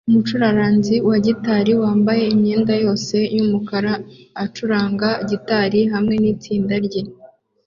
Umucuraranzi wa gitari wambaye imyenda yose yumukara acuranga gitari hamwe nitsinda rye